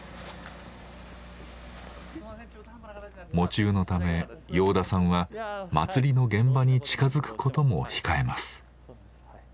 喪中のため養田さんは祭りの現場に近づくことも控えます。